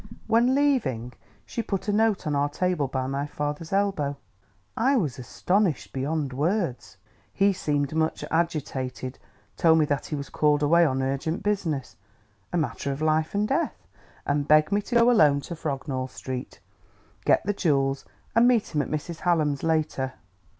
When leaving, she put a note on our table, by my father's elbow. I was astonished beyond words.... He seemed much agitated, told me that he was called away on urgent business, a matter of life and death, and begged me to go alone to Frognall Street, get the jewels and meet him at Mrs. Hallam's later....